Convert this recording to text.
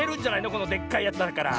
このでっかいやつだから。